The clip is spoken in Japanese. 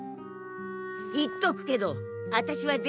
言っとくけどあたしは銭